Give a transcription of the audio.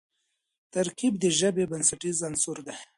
ترکیب د ژبي بنسټیز عنصر دئ.